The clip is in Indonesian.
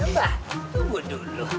mbak tunggu dulu